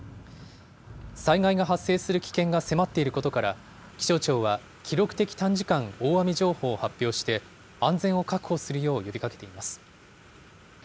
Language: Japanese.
災害が発生する危険が迫っていることから、気象庁は記録的短時間大雨情報を発表して、安全を確保するように呼びかけています。